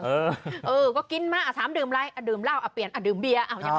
เออก็กินมาอ่ะถามดื่มอะไรอ่ะดื่มเหล้าอ่ะเปลี่ยนอ่ะดื่มเบียร์